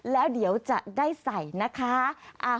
แล้วเดี๋ยวจะได้ใส่นะคะ